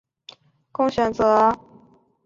机身备有赤红色及碳黑色供选择。